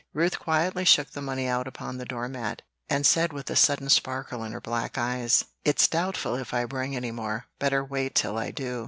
Ruth quietly shook the money out upon the door mat, and said with a sudden sparkle in her black eyes, "It's doubtful if I bring any more. Better wait till I do."